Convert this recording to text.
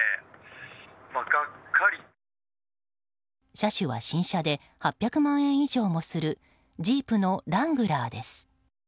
車種は新車で８００万円以上もするジープのラングラーです。